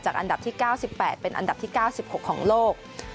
อันดับที่๙๘เป็นอันดับที่๙๖ของโลก